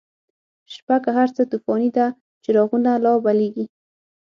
شپه که هر څه توفانی ده، چراغونه لا بلیږی